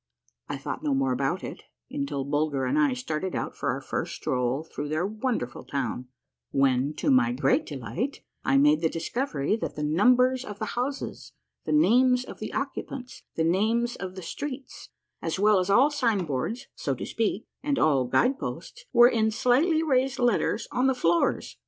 I thought no more about it, until Bulger and I started out for our first stroll through their wonderful town, when, to my great delight, I made the discovery that the numbers of the houses, the names of the occupants, the names of the streets, as well as all signboards, so to speak, and all guide posts were in slightly raised letters on the floors and BARREL BROW ENGAGED IN READING FOUR BOOKS AT ONCE.